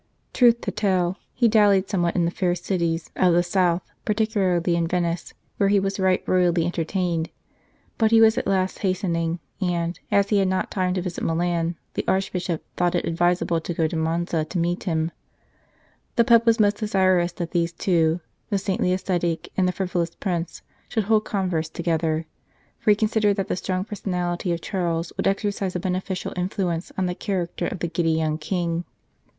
Truth to tell, he dallied somewhat in the fair cities of the South, particularly in Venice, where he was right royally entertained ; but he was at last hastening, and, as he had not time to visit Milan, the Archbishop thought it advisable to go to Monza to meet him. The Pope was most desirous that these two the saintly ascetic and the frivolous Prince should hold converse together ; for he considered that the strong personality of Charles would exercise a 117 St. Charles Borromeo beneficial influence on the character of the giddy young King.